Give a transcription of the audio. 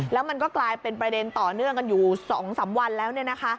แล้วมันก็กลายเป็นประเด็นต่อเนื่องกันอยู่๒๓วันแล้ว